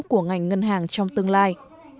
của ngành ngân hàng trong tương lai